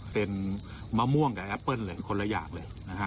เป็นมะม่วงกับแอปเปิ้ลคนละอย่างเลย